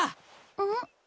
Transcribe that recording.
うん？